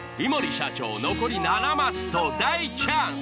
社長残り７マスと大チャンス。